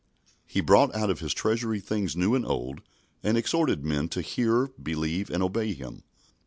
He brought out of His treasury things new and old, and exhorted men to hear, believe, and obey Him.